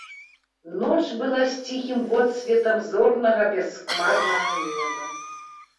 Ноч была з ціхім водсветам зорнага бясхмарнага неба.